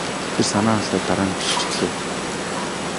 Тэр санаа алдаад дараа нь бичиж эхлэв.